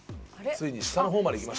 ついに下の方までいきましたね。